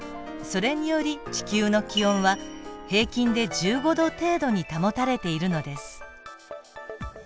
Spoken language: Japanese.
それにより地球の気温は平均で１５℃程度に保たれているのです。